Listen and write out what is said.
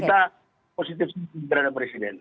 kita positif terhadap presiden